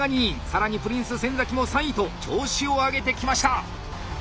更にプリンス・先も３位と調子を上げてきました！